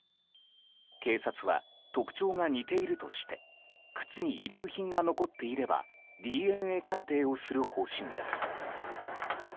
警察は、特徴が似ているとして靴に遺留品が残っていればＤＮＡ鑑定をする方針です。